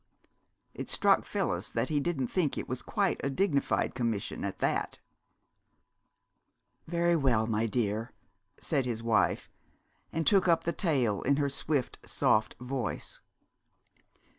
It struck Phyllis that he didn't think it was quite a dignified commission, at that. "Very well, my dear," said his wife, and took up the tale in her swift, soft voice.